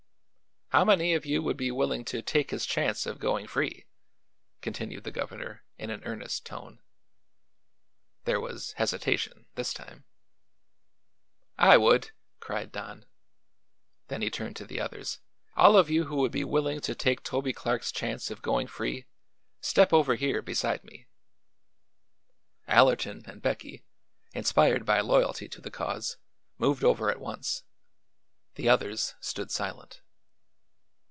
"How many of you would be willing to take his chance of going free?" continued the governor in an earnest tone. There was hesitation, this time. "I would!" cried Don. Then he turned to the others. "All of you who would be willing to take Toby Clark's chance of going free, step over here beside me." Allerton and Becky, inspired by loyalty to the cause, moved over at once. The others stood silent.